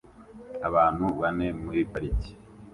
Abantu bane muri parike